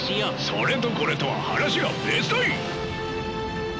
それとこれとは話が別だい！